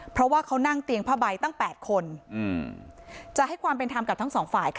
เพราะว่าเขานั่งเตียงผ้าใบตั้ง๘คนจะให้ความเป็นธรรมกับทั้งสองฝ่ายค่ะ